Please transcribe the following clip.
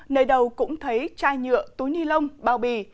nơi đầu cũng thấy chai nhựa túi ni lông bao bì